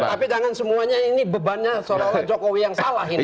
tapi jangan semuanya ini bebannya seolah olah jokowi yang salah ini